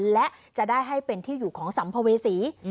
และจะได้ให้เป็นที่อยู่ของสัมภเวษี